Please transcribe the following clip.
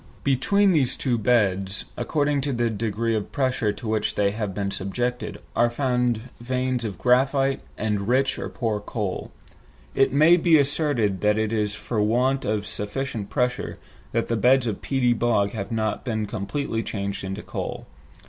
Between these two beds, according to the degree of pressure to which they have been subjected, are found veins of graphite and rich or poor coal. It may be asserted that it is for want of sufficient pressure that beds of peaty bog have not been completely changed into coal.